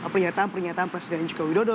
pernyataan pernyataan presiden joko widodo